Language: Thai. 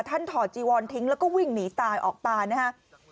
ถอดจีวอนทิ้งแล้วก็วิ่งหนีตายออกมานะฮะ